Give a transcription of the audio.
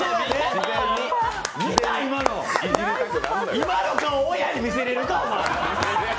今の顔、親に見せれるか、お前？